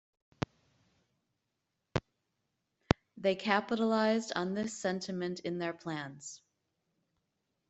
They capitalized on this sentiment in their plans.